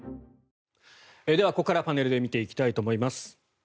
ではここからパネルで見ていきたいと思います。